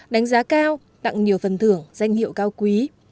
đánh giá cao tặng nhiều phần thưởng danh hiệu cao quý